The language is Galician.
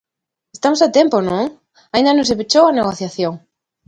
Estamos a tempo, ¿non?, aínda non se pechou a negociación.